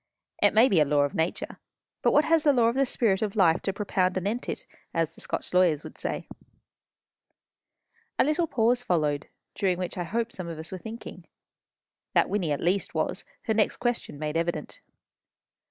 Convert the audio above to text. It may be a law of nature; but what has the Law of the Spirit of Life to propound anent it? as the Scotch lawyers would say." A little pause followed, during which I hope some of us were thinking. That Wynnie, at least, was, her next question made evident.